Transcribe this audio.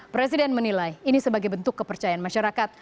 presiden menilai ini sebagai bentuk kepercayaan masyarakat